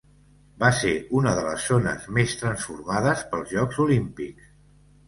Va ser una de les zones més transformades pels Jocs Olímpics.